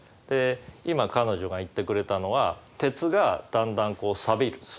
で今彼女が言ってくれたのは鉄がだんだんさびる。